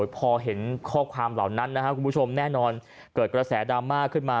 พอเห็นข้อความเหล่านั้นนะครับคุณผู้ชมแน่นอนเกิดกระแสดราม่าขึ้นมา